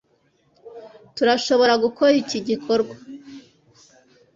Turashobora gukora iki gikorwa